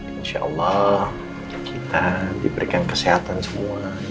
insya allah kita diberikan kesehatan semua